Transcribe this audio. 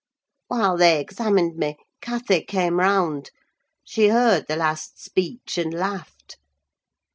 "While they examined me, Cathy came round; she heard the last speech, and laughed.